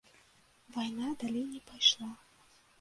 Вайна далей не пайшла.